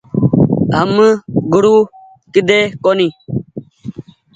هم گورو ڪيۮي ڪونيٚ ۔